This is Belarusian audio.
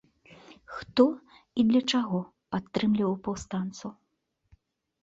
Хто і для чаго падтрымліваў паўстанцаў?